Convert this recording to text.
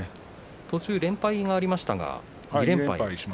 途中、連敗がありましたが。